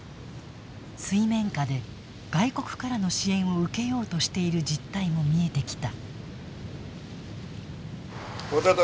水面下で、外国からの支援を受けようとしている実態も見えてきた。